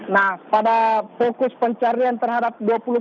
nah pada fokus pencarian terhadap dua puluh tiga